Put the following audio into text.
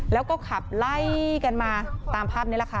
แล้วก็ขับไล่กันมาตามภาพนี้แหละค่ะ